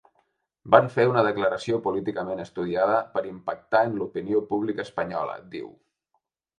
Van fer una declaració políticament estudiada per impactar en l’opinió pública espanyola, diu.